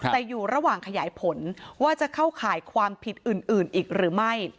แต่อยู่ระหว่างขยายผลว่าจะเข้าข่ายความผิดอื่นอีกหรือไม่